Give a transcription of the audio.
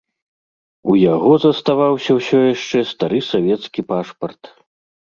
У яго заставаўся ўсё яшчэ стары савецкі пашпарт.